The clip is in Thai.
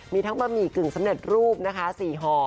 มีทั้งบะหมี่กึ่งสำเร็จรูปนะคะ๔ห่อ